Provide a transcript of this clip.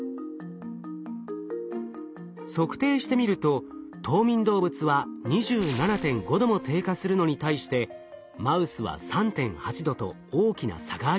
測定してみると冬眠動物は２７．５℃も低下するのに対してマウスは３．８℃と大きな差がありました。